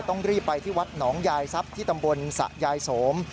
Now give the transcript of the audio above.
ต้องรีบไปที่วัดหนองยายทรัพย์ที่ตำบลสะยายโสม